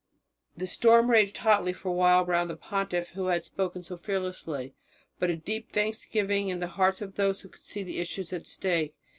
The storm raged hotly for a while round the pontiff who had spoken so fearlessly; but a deep thanksgiving was in the hearts of those who could see the issues at stake.